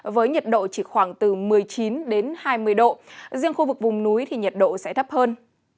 với nhiệt độ chỉ khoảng từ một mươi chín đến hai mươi độ riêng khu vực vùng núi thì nhiệt độ sẽ thấp hơn